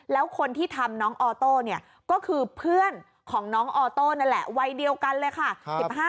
แล้วคนที่ทำน้องออโต้เนี่ยก็คือเพื่อนของน้องออโต้นั่นแหละวัยเดียวกันเลยค่ะ